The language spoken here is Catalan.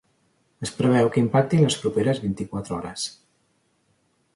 Es preveu que impacti en les properes vint-i-quatre hores.